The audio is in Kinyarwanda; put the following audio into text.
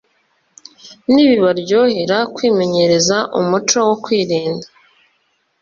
nibibaryohera kwimenyereza umuco wo kwirinda